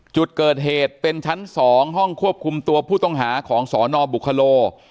จุดเกิดเหตุเป็นชั้น๒ห้องควบคุมตัวผู้ต้องหาของสนบุคโล